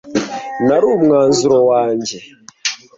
Nari umwanzuro wanjye.